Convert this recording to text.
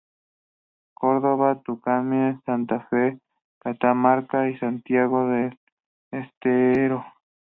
Córdoba, Tucumán, Santa Fe, Catamarca y Santiago del Estero.